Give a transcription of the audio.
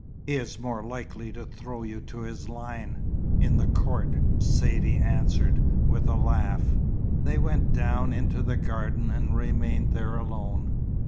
"He is more likely to throw you to his lion, in the court," Saidee answered, with a laugh. They went down into the garden, and remained there alone.